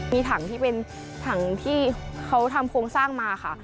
มีถังที่เป็นถังที่เขาทำโครงสร้างมาค่ะ